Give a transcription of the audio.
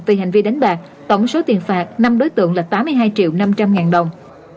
về hành vi đánh bạc tổng số tiền phạt năm đối tượng là tám mươi hai triệu năm trăm linh ngàn đồng